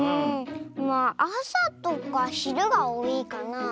まああさとかひるがおおいかな。